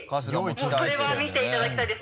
それは見ていただきたいです。